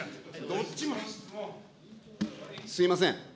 すみません。